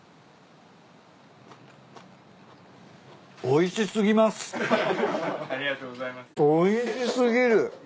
おいし過ぎる。